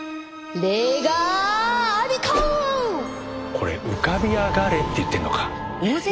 これ浮かび上がれって言ってるのか。